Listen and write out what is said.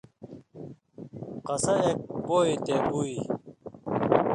قصہ اک بو یی تے بُوئیں